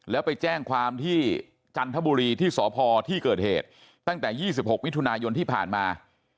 แล้วไปแจ้งความที่จันทบุรีที่สพที่เกิดเหตุตั้งแต่๒๖มิถุนายนที่ผ่านมา